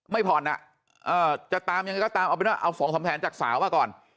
ไม่ผ่อนอ่ะจะตามยังไงก็ตามเอาส่องสำแทนจากสาวมาก่อน